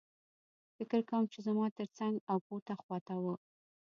فکر کوم چې زما ترڅنګ او پورته خوا ته وو